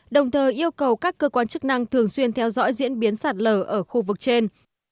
đồng thời yêu cầu các cơ quan chức năng thường xuyên theo dõi diễn biến sạt lở ở khu vực trên